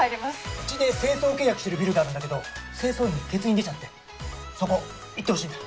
うちで清掃契約してるビルがあるんだけど清掃員の欠員出ちゃってそこ行ってほしいんだ。